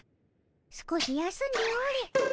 少し休んでおれ。